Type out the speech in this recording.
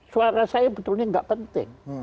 suara saya betulnya nggak penting